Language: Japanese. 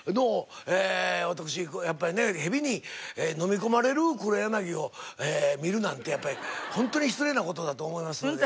私やっぱりねヘビにのみ込まれる黒柳を見るなんてやっぱりホントに失礼な事だと思いますので。